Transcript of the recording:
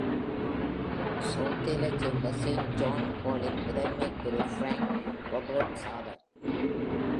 Southallஐ சேர்ந்த, Saint John Hallன் முதன்மை குரு Frank Roberts ஆவார்.